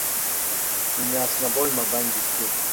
Dünyasına doymadan gitti!